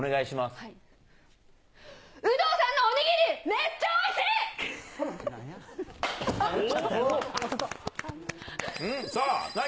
有働さんのお握り、めっちゃおいしい！